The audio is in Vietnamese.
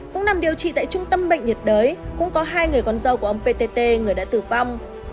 cũng nằm điều trị tại trung tâm bệnh nhiệt đới cũng có hai người con dâu của ông ptt người đã tử vong